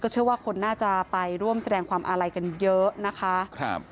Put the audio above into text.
เชื่อว่าคนน่าจะไปร่วมแสดงความอาลัยกันเยอะนะคะครับ